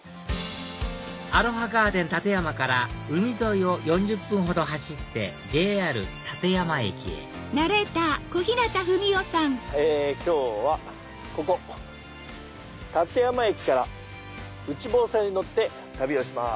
アロハガーデンたてやまから海沿いを４０分ほど走ってＪＲ館山駅へ今日はここ館山駅から内房線に乗って旅をします。